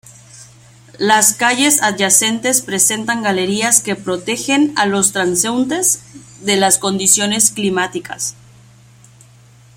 Las calles adyacentes presentan galerías que protegen a los transeúntes de las condiciones climáticas.